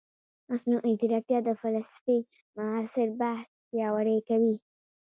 مصنوعي ځیرکتیا د فلسفې معاصر بحث پیاوړی کوي.